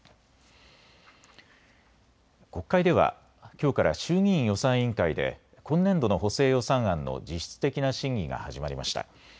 国会では、きょうから衆議院予算委員会で今年度の補正予算案の実質的な審議が始まりました。